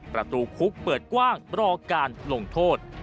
ประตูคุกเปิดกว้างรอการลงโทษ